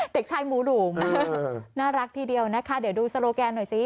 เด็กชายหมูน่ารักทีเดียวนะคะเดี๋ยวดูโซโลแกนหน่อยสิ